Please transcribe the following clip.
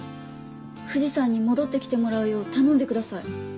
藤さんに戻って来てもらうよう頼んでください。